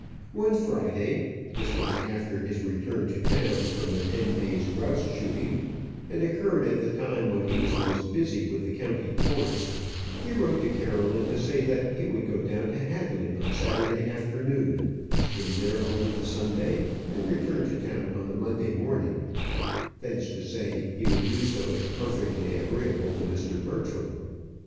One Friday this was after his return to town from the ten days' grouse shooting, and occurred at the time when he was most busy with the County Courts he wrote to Caroline to say that he would go down to Hadley on Saturday afternoon, stay there over the Sunday, and return to town on the Monday morning; that is to say, he would do so if perfectly agreeable to Mr. Bertram.